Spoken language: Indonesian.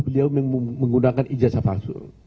beliau menggunakan ijazah palsu